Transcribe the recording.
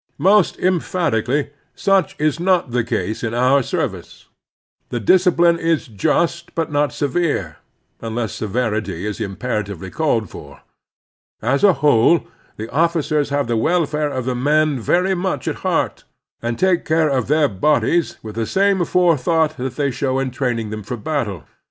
Most emphatically such is not the case in our service. The discipline is just but not severe, Preparedness and Unpreparedness 165 unless severity is imperatively called for. As a whole, the officers have the welfare of the men very much at heart, and take care of their bodies with the same forethought that they show in train ing them for battle.